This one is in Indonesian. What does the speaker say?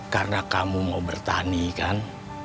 karena kamu mau bertani kan